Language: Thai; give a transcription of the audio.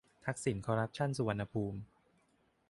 ทักษิณคอรัปชันสุวรรณภูมิ